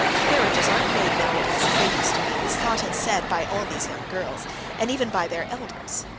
"Marriages aren't made nowadays as they used to be," was thought and said by all these young girls, and even by their elders.